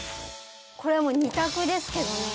これはもう２択ですけどね